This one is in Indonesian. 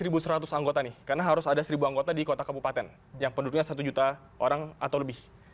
tapi katakan kita masukkan seribu seratus anggota nih karena harus ada seribu anggota di kota kabupaten yang penurunnya satu juta orang atau lebih